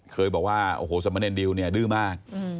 เคยบอกว่าโอ้โหสมเนรดิวเนี่ยดื้อมาก